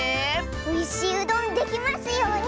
おいしいうどんできますように！